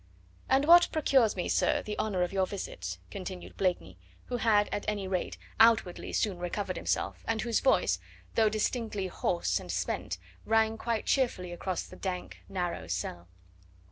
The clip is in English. "And what procures me, sir, the honour of your visit?" continued Blakeney, who had at any rate, outwardly soon recovered himself, and whose voice, though distinctly hoarse and spent, rang quite cheerfully across the dank narrow cell.